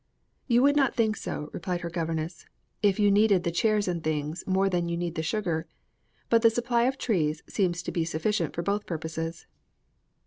"You would not think so," replied her governess, "if you needed the 'chairs and things' more than you need the sugar. But the supply of trees seems to be sufficient for both purposes."